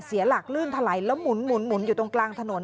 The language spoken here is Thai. เสียหลักลื่นถลายแล้วหมุนอยู่ตรงกลางถนน